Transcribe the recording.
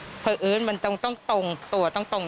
เธอขนลุกเลยนะคะเสียงอะไรอีกเสียงอะไรบางอย่างกับเธอแน่นอนค่ะ